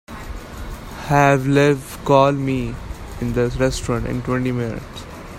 Have Liv call me in the restaurant in twenty minutes.